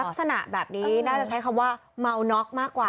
ลักษณะแบบนี้น่าจะใช้คำว่าเมาน็อกมากกว่า